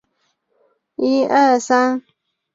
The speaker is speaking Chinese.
恩贾梅纳。